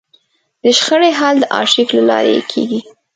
د شخړې حل د ارشیف له لارې کېږي.